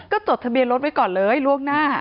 ก็จดทะเบียนรถไว้ก่อนเลยล่วงหน้า